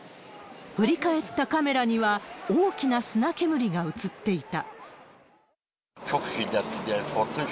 振り返ったカメラには、大きな砂煙が映っていた。